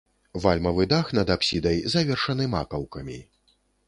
Вальмавы дах над апсідай завершаны макаўкамі.